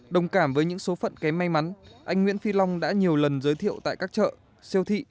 đồng cảm với những số phận kém may mắn anh nguyễn phi long đã nhiều lần giới thiệu tại các chợ siêu thị